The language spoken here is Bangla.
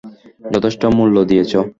যথেষ্ট মূল্য দিয়েছ।